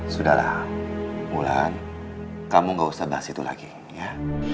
sudahlah bulan kamu gak usah bahas itu lagi ya